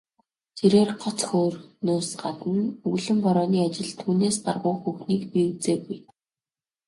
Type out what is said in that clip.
Тэрээр гоц хөөрхнөөс гадна үүлэн борооны ажилд түүнээс гаргуу хүүхнийг би үзээгүй.